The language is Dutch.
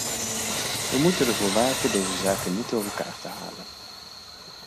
We moeten ervoor waken deze zaken niet door elkaar te halen.